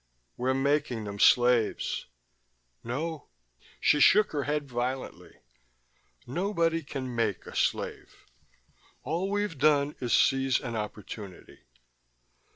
"We're making them slaves." "No." She shook her head, violently. "Nobody can make a slave. All we've done is seize an opportunity.